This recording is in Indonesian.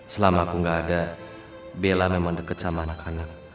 selama aku gak ada bella memang deket sama anak anak